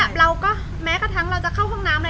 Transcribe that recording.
เขาไม่หลับเราก็แม้กระทั้งเราจะเข้าห้องน้ำอะไร